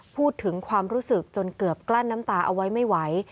พูดถึงความรู้สึกจนเกือบกลั้นน้ำตาเอาไว้ไม่ไหว